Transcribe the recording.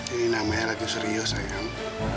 ini namanya ratu serius ayang